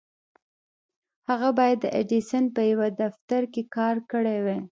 هغه بايد د ايډېسن په يوه دفتر کې کار کړی وای.